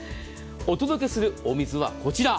お届けするお水はこちら。